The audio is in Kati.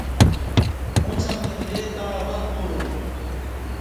اُݩڅ امنی وریں تہ عمل کُولُوم